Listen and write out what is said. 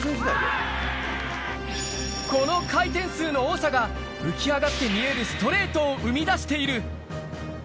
この回転数の多さが、浮き上がって見えるストレートを生み出している。